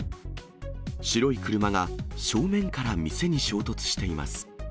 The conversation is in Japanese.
白い車が正面から店に衝突しています。